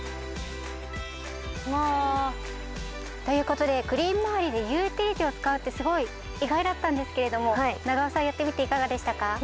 ということでグリーン周りでユーティリティを使うってすごい意外だったんですけれども永尾さんやってみていかがでしたか？